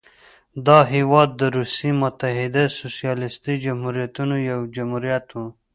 دا هېواد د روسیې متحده سوسیالیستي جمهوریتونو یو جمهوریت و.